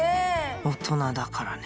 大人だからね